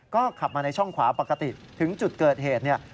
ก็ขับมาในช่องขวาปกติถึงจุดเกิดเหตุเนี่ย